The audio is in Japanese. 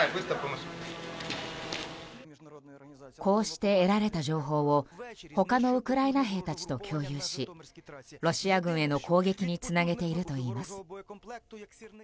こうして得られた情報を他のウクライナ兵たちと共有しロシア軍への攻撃につなげているといいます。